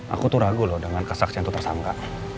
aku tuh ragu loh dengan kesaksian itu tersangka